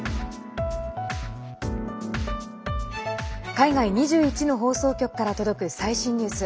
海外２１の放送局から届く最新ニュース。